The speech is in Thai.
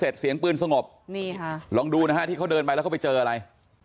ตอนนี้มองยืนกันเลยนะครับตอนนี้